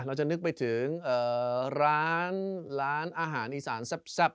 เราจะนึกไปถึงร้านร้านอาหารอีสานแซ่บ